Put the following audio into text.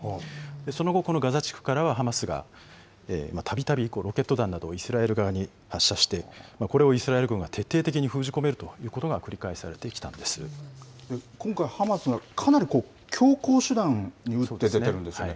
その後、このガザ地区からはハマスがたびたびロケット弾などをイスラエル側に発射して、これをイスラエル軍が徹底的に封じ込めるということが繰り返され今回、ハマスがかなり強硬手段に打って出てるんですよね。